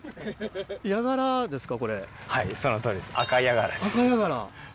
ヤガラですか？